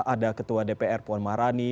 ada ketua dpr puan maharani